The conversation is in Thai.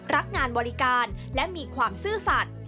รักงานบริการและมีความซื่อสัตว์